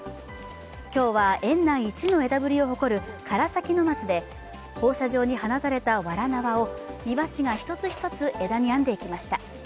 今日は園内一の枝ぶりを誇る唐崎松で放射状に放たれたわら縄を庭師が一つ一つ枝に編んでいきました。